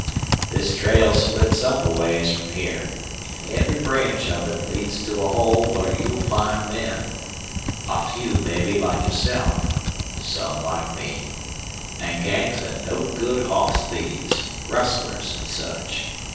"This trail splits up a ways from here, an' every branch of it leads to a hole where you'll find men a few, mebbe, like yourself some like me an' gangs of no good hoss thieves, rustlers, an' such.